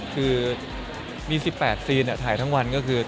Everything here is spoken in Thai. คือมี๑๘ซีนถ่ายทั้งวันก็คือ